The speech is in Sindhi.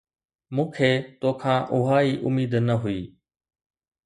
مون کي تو کان اها ئي اميد نه هئي